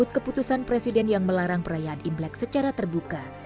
keputusan presiden yang melarang perayaan imlek secara terbuka